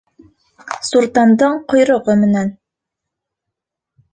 Суртандың ҡойроғо менән.